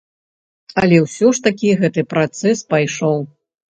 Але ўсё ж такі гэты працэс пайшоў.